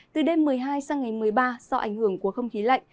từ đêm một mươi hai sang ngày một mươi ba do ảnh hưởng của không khí lạnh